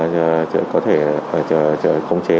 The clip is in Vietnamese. có thể cống chế